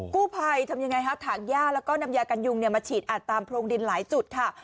กู้ภัยทำยังไงฮะถางย่าแล้วก็นำยากันยุงมาฉีดอัดตามโพรงดินหลายจุดค่ะ